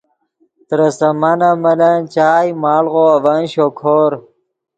ترے سامانف ملن چائے، مڑغو اڤن شوکور